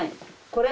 これ？